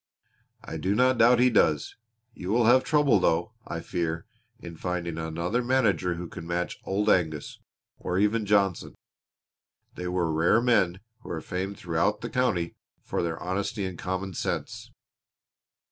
"I do not doubt he does. You will have trouble, though, I fear, in finding another manager who can match Old Angus or even Johnson. They were rare men who were famed throughout the county for their honesty and common sense."